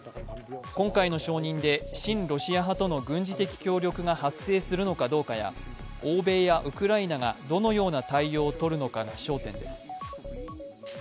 今回の承認で親ロシア派との軍事的協力が発生するのかどうかや欧米やウクライナがどのような対応をとるのかが焦点です。